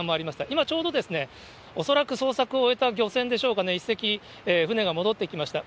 今ちょうど、恐らく捜索を終えた漁船でしょうかね、１隻、船が戻ってきました。